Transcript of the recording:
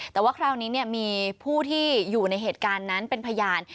แต่ว่าคราวนี้มีผู้ที่อยู่ในเหตุการณ์นั้นเป็นพยาน